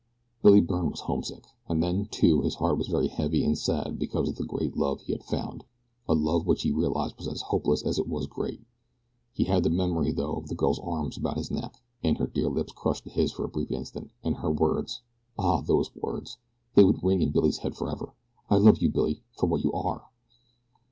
Billy Byrne was homesick. And then, too, his heart was very heavy and sad because of the great love he had found a love which he realized was as hopeless as it was great. He had the memory, though, of the girl's arms about his neck, and her dear lips crushed to his for a brief instant, and her words ah, those words! They would ring in Billy's head forever: "I love you, Billy, for what you ARE."